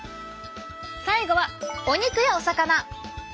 最後はお肉やお魚！